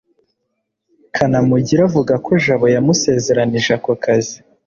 kanamugire avuga ko jabo yamusezeranije ako kazi